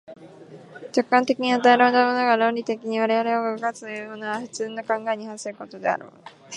直観的に与えられたものが、論理的に我々を動かすというのは、普通の考えに反することであろう。